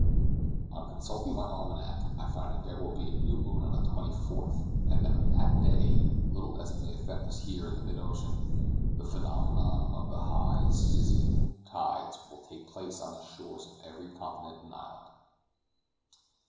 On consulting my almanac, I find that there will be a new moon on the 24th, and that on that day, little as it may affect us here in mid ocean, the phenomenon of the high syzygian tides will take place on the shores of every continent and island.